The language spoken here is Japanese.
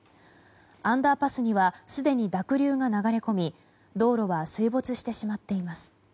アンダーパスにはすでに濁流が流れ込み道路は水没してしまっています。